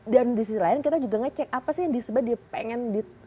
dan di sisi lain kita juga ngecek apa sih yang disebabkan dia pengen